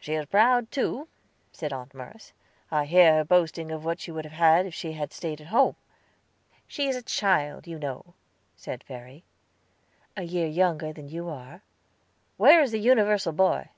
"She is proud, too," said Aunt Merce. "I hear her boasting of what she would have had if she had stayed at home." "She is a child, you know," said Verry. "A year younger than you are." "Where is the universal boy?"